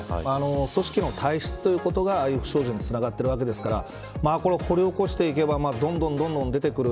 組織の体質ということがああいう不祥事につながっていくわけですからこれは、掘り起こしていけばどんどん出てくる。